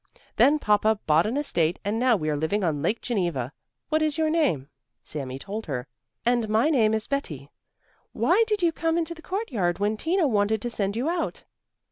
Then Papa bought an estate and now we are living on Lake Geneva. What is your name?" Sami told her. "And my name is Betti. Why did you come into the courtyard when Tina wanted to send you out?"